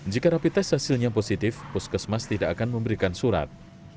jika rapi tes hasilnya positif puskesmas tidak akan memberikan surat